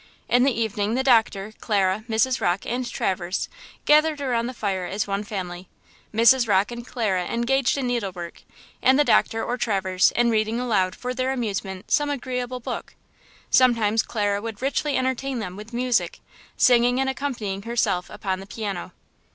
In the evening the doctor, Clara, Mrs. Rocke, and Traverse gathered around the fire as one family–Mrs. Rocke and Clara engaged in needlework, and the doctor or Traverse in reading aloud, for their amusement, some agreeable book. Sometimes Clara would richly entertain them with music–singing and accompanying herself upon the piano.